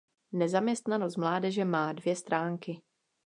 Nezaměstnanost mládeže má dvě stránky.